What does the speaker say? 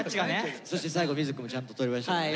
そして最後瑞稀くんもちゃんととりましたもんね。